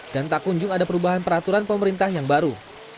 dan tak kunjung ada perubahan peraturan pemerintah yang baru